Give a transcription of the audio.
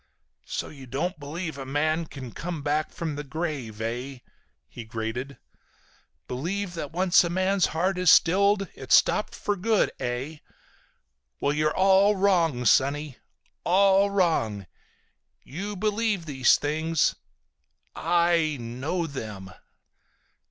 "So you don't believe a man can come back from the grave, eh?" he grated. "Believe that once a man's heart is stilled it's stopped for good, eh? Well, you're all wrong, sonny. All wrong! You believe these things. I know them!"